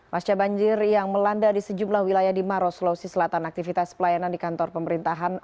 pasca banjir yang melanda di sejumlah wilayah di maros sulawesi selatan aktivitas pelayanan di kantor pemerintahan